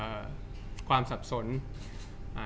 จากความไม่เข้าจันทร์ของผู้ใหญ่ของพ่อกับแม่